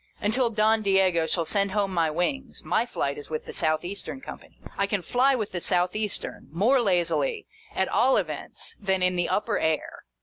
Until Don Diego shall send home my wings, my flight is with the South Eastern Company. I can fly with the South Eastern, more lazily, at all events, than in the upper air.